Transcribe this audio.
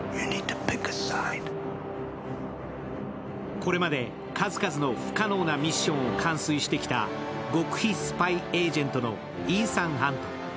これまで数々の不可能なミッションを完遂してきた極秘スパイ・エージェントのイーサン・ハント。